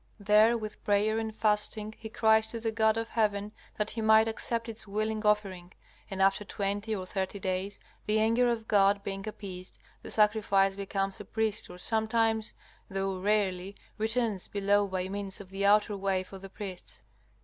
There with prayer and fasting he cries to the God of heaven that he might accept its willing offering. And after twenty or thirty days, the anger of God being appeased, the sacrifice becomes a priest, or sometimes, though rarely, returns below by means of the outer way for the priests.